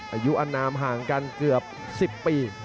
อายุอนามห่างกันเกือบ๑๐ปี